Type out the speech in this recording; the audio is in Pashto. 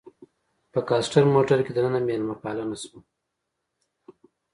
په کاسټر موټر کې دننه میلمه پالنه شوه.